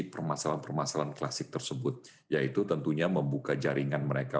permasalahan permasalahan klasik tersebut yaitu tentunya membuka jaringan mereka